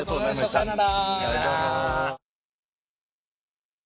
さよなら。